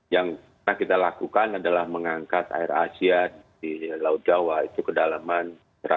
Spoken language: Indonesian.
yang kita lakukan adalah mengangkat air asia di laut jawa itu kedalaman satu ratus dua puluh